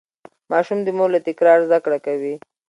ماشوم د مور له تکرار زده کړه کوي.